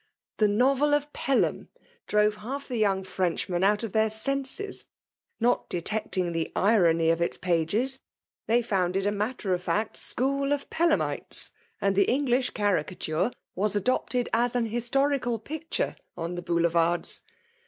The novel of * Pelham ' drove half the young Frenchmen out of their senses. Not detecting the irony of its pages, they founded a matter of fact school of Pelhamitcs ;— and the English caricature rKMA^tr DOtelNATtOtf. 101 ivE9 adopted as an historical picture on thb Boulevards.